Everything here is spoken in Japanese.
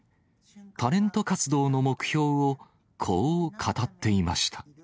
タレント活動の目標を、こう語っていました。